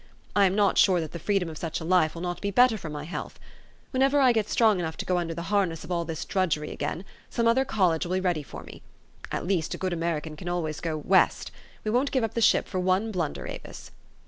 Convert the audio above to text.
I am not sure that the freedom of such a life will not be better for my health. Whenever I get strong enough to go under the harness of all this drudgery again, some other college will be ready for me. At least, a good American can always go West. We won't give up the ship for one blunder, Avis."